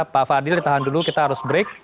pak fadil ditahan dulu kita harus break